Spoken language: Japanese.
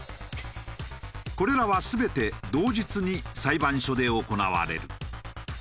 これらは全て同日に裁判所で行われる。